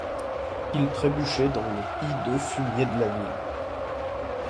Il trébuchait dans le hideux fumier de la ville.